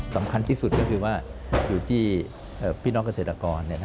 สำคัญที่สุดก็คือว่าอยู่ที่พี่น้องเกษตรกร